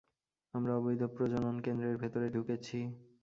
আমরা অবৈধ প্রজনন কেন্দ্রের ভেতরে ঢুকেছি।